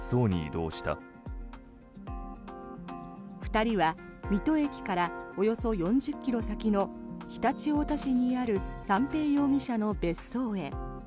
２人は水戸駅からおよそ４０ｋｍ先の常陸太田市にある三瓶容疑者の別荘へ。